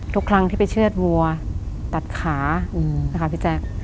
ทุกครั้งที่ไปเชื่อดวัวตัดขานะคะพี่แจ๊ค